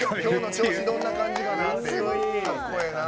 調子どんな感じかなっていう。